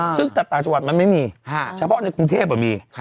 ซึ่งแต่ต่างจังหวัดมันไม่มีเฉพาะในกรุงเทพมี